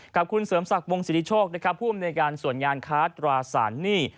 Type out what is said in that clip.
กับคุณเสริมศักดิ์วงศิริโชคนะครับผู้อำนวยการส่วนงานค้าตราสารหนี้